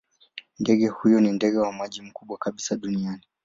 Ndege huyo ni ndege wa maji mkubwa kabisa duniani.